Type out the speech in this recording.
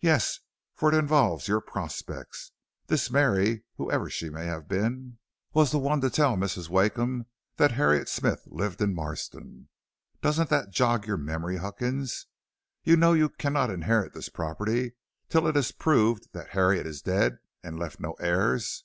"Yes, for it involves your prospects. This Mary, whoever she may have been, was the one to tell Mrs. Wakeham that Harriet Smith lived in Marston. Doesn't that jog your memory, Huckins? You know you cannot inherit the property till it is proved that Harriet is dead and left no heirs."